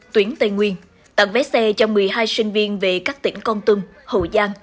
tuyến tây nguyên tặng vé xe cho một mươi hai sinh viên về các tỉnh con tum hậu giang